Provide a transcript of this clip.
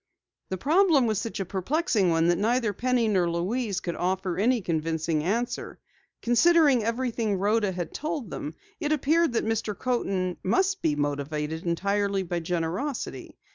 The problem was such a perplexing one that neither Penny nor Louise could offer any convincing answer. Considering everything Rhoda had told them it appeared that Mr. Coaten must be motivated entirely by generosity.